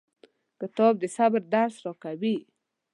کتاب د صبر درس راکوي.